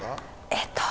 えっと。